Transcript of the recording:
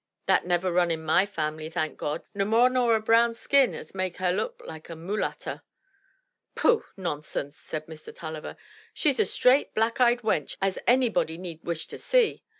That niver run i' my family, thank God! no more nor a brown skin as makes her look like a mulatter!" "Pooh, nonsense!" said Mr. Tulliver, "she's a straight, black eyed wench as anybody need wish to see.